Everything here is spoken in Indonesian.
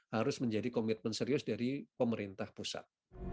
harus menjadi komitmen serius dari pemerintah pusat